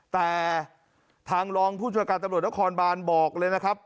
แต่ทางรองผู้จัดการตำรวจนครบานบอกเลยนะครับ